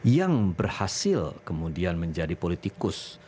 yang berhasil kemudian menjadi politikus